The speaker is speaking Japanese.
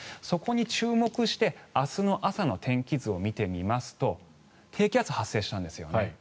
そこに注目して明日の朝の天気図を見てみますと低気圧が発生したんですよね。